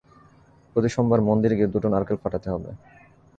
প্রতি সোমবারে মন্দির গিয়ে দুটো নারকেল ফাটাতে হবে।